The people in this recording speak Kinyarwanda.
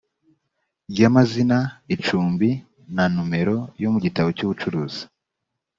ry amazina icumbi na numero yo mu gitabo cy ubucuruzi